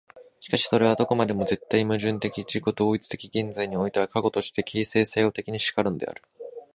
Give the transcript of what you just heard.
しかしそれはどこまでも絶対矛盾的自己同一的現在においての過去として、形成作用的に然るのである。